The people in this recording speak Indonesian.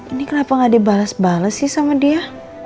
ini kenapa gak ada balas balas sih sama dia